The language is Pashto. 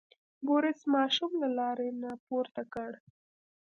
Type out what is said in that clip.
بوریس ماشوم له لارې نه پورته کړ.